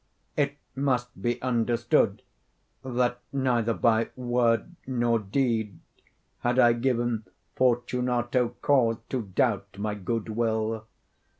It must be understood, that neither by word nor deed had I given Fortunato cause to doubt my good will.